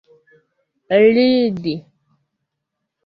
ridi